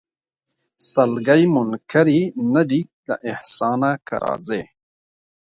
سلګۍ منکري نه دي له احسانه که راځې